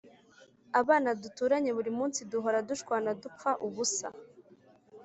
abana duturanye burimunsi duhora dushwana dupfa ubusa